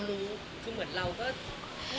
ก็เขาก็ไม่นับรู้